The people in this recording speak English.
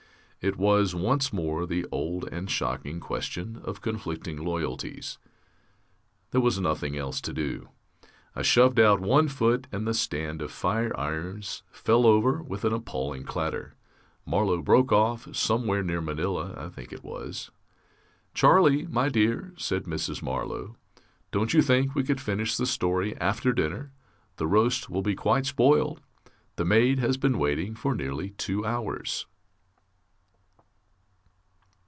It was, once more, the old and shocking question of conflicting loyalties. There was nothing else to do. I shoved out one foot, and the stand of fire irons fell over with an appalling clatter. Marlow broke off somewhere near Manila, I think it was. "Charlie, my dear," said Mrs. Marlow, "Don't you think we could finish the story after dinner? The roast will be quite spoiled. The maid has been waiting for nearly two hours...."